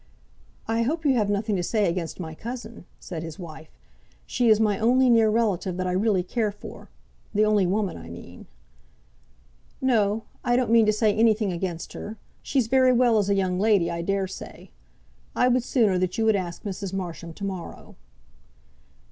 "I hope you have nothing to say against my cousin?" said his wife. "She is my only near relative that I really care for; the only woman, I mean." "No; I don't mean to say anything against her. She's very well as a young lady, I dare say. I would sooner that you would ask Mrs. Marsham to morrow."